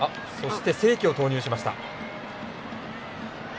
清家を投入しました。